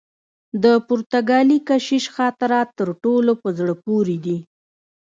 د پرتګالي کشیش خاطرات تر ټولو په زړه پوري دي.